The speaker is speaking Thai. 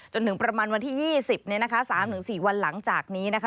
จนถึงประมาณวันที่๒๐เนี่ยนะคะ๓๔วันหลังจากนี้นะคะ